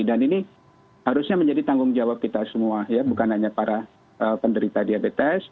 dan ini harusnya menjadi tanggung jawab kita semua bukan hanya para penderita diabetes